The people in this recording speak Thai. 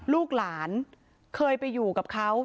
ลูกหลานเคยไปอยู่กับเขา